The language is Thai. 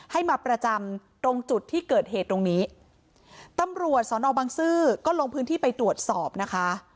ให้มาประจำตรงจุดที่เกิดเหตุตรงนี้ตำรวจสอนอบังซื้อก็ลงพื้นที่ไปตรวจสอบนะคะ